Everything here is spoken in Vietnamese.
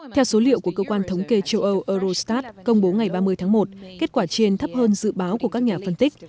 theo số liệu của cơ quan thống kê châu âu eurostat công bố ngày ba mươi tháng một kết quả trên thấp hơn dự báo của các nhà phân tích